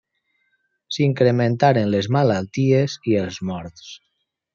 S'incrementaren les malalties i els morts.